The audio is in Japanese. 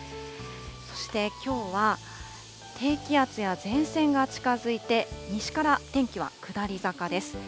そしてきょうは、低気圧や前線が近づいて、西から天気は下り坂です。